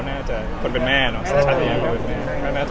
เอาแม่ผมไปถาม